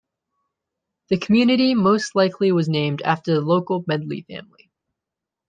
The community most likely was named after the local Medley family.